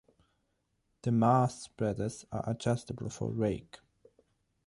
The mast spreaders are adjustable for rake.